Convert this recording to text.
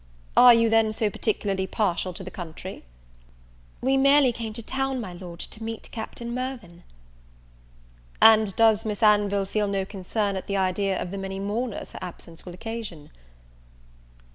"Are you, then, so particularly partial to the country?" "We merely came to town, my Lord, to meet Captain Mirvan." "And does Miss Anville feel no concern at the idea of the many mourners her absence will occasion?"